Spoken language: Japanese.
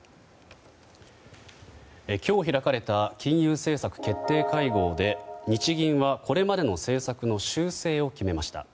今日開かれた金融政策決定会合で日銀はこれまでの政策の修正を決めました。